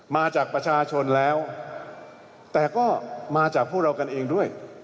มาจากประชาชนแล้วแต่ก็มาจากพวกเรากันเองด้วย